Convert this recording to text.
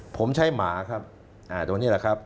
ผมใช้หมาครับตัวนี้แหละครับ